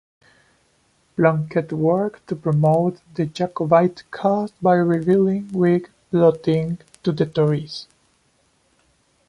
Plunket worked to promote the Jacobite cause by revealing Whig plotting to the Tories.